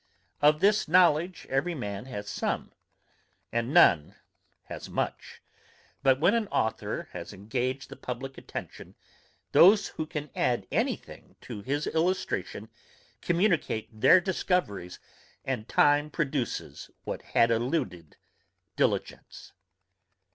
Of this knowledge every man has some, and none has much; but when an authour has engaged the publick attention, those who can add any thing to his illustration, communicate their discoveries, and time produces what had eluded diligence.